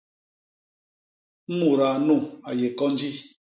Mudaa nu a yé konji!